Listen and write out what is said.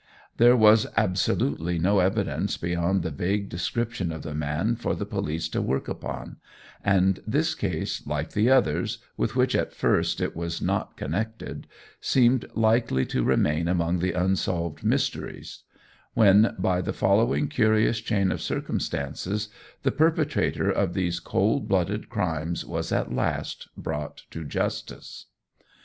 There was absolutely no evidence beyond the vague description of the man for the police to work upon, and this case, like the others, with which at first it was not connected, seemed likely to remain among the unsolved mysteries; when by the following curious chain of circumstances, the perpetrator of these cold blooded crimes was at last brought to justice.